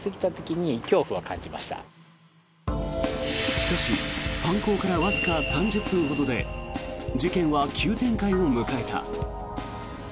しかし犯行からわずか３０分ほどで事件は急展開を迎えた。